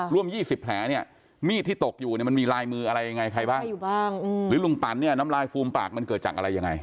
ร่วม๒๐แผลเนี่ยมีดที่ตกอยู่เนี่ยมันมีลายมืออะไรยังไงใครบ้างหรือลุงปันเนี่ยน้ำลายฟูมปากมันเกิดจากอะไรยังไง